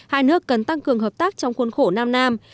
hai nước cần tăng cường hợp tác trong khuôn khổ nam nam